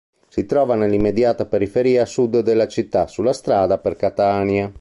Si trova nell'immediata periferia a sud della città, sulla strada per Catania.